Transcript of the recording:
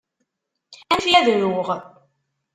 Anef-iyi ad ruɣ.